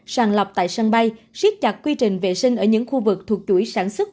sàng lọc tại sân bay siết chặt quy trình vệ sinh ở những khu vực thuộc chuỗi sản xuất